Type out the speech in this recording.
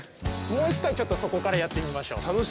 もう一回ちょっとそこからやってみましょう。